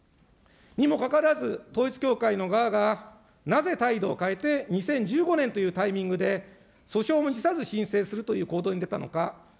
にもかかわらず、統一教会の側がなぜ態度を変えて、２０１５年というタイミングで訴訟も辞さず申請するという行動に出たのか。